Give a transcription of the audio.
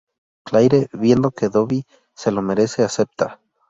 Claire, viendo que Debbie se lo merece, acepta.